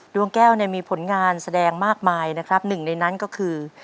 ดวงแก้วเนี่ยมีผลงานแสดงมากมายนะครับหนึ่งในนั้นก็คือ